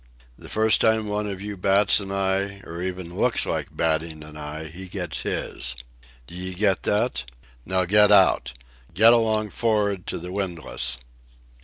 The first time one of you bats an eye, or even looks like batting an eye, he gets his. D'ye get that? Now get out. Get along for'ard to the windlass."